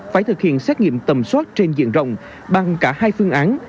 phải thực hiện xét nghiệm tầm soát trên diện rộng bằng cả hai phương án